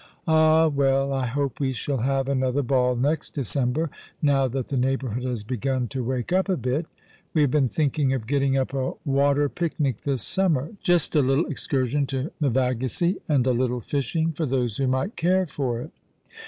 Ah, well, I hope we shall have another ball next December, now that the neighbourhood has begun to wake up a bit. We have been thinking of getting up a water picnic this summer— just a little excursion to Meva gissey, and a little fishing for those who might care for it."